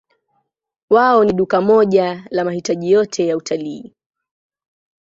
Wao ni duka moja la mahitaji yote ya utalii.